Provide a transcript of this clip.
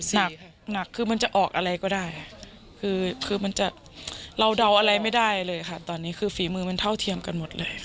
หนักหนักคือมันจะออกอะไรก็ได้คือมันจะเราเดาอะไรไม่ได้เลยค่ะตอนนี้คือฝีมือมันเท่าเทียมกันหมดเลย